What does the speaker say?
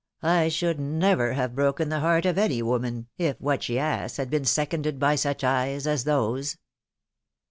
I should never have broken the heart of any woman, if what she asked had been seconded by such eyes as those